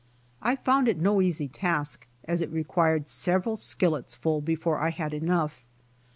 I found it no easy task, as it required several skillets full before I had enough.